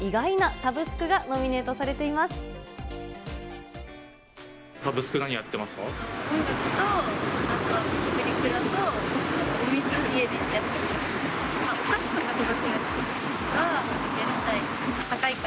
サブスク何やってますか？